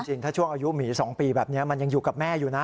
จริงถ้าช่วงอายุหมี๒ปีแบบนี้มันยังอยู่กับแม่อยู่นะ